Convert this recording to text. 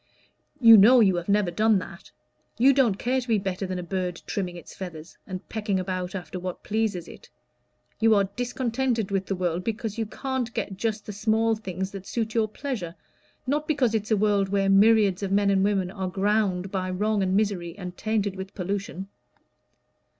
You know you have never done that. You don't care to be better than a bird trimming its feathers, and pecking about after what pleases it. You are discontented with the world because you can't get just the small things that suit your pleasure, not because it's a world where myriads of men and women are ground by wrong and misery, and tainted with pollution."